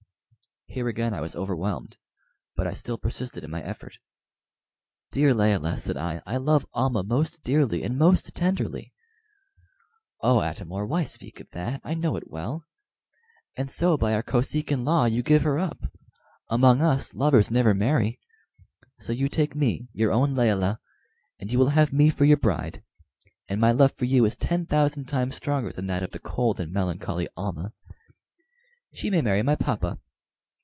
Here again I was overwhelmed, but I still persisted in my effort. "Dear Layelah," said I, "I love Almah most dearly and most tenderly." "Oh, Atam or, why speak of that? I know it well. And so by our Kosekin law you give her up; among us, lovers never marry. So you take me, your own Layelah, and you will have me for your bride; and my love for you is ten thousand times stronger than that of the cold and melancholy Almah. She may marry my papa."